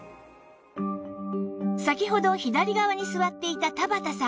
先ほど左側に座っていた田畑さん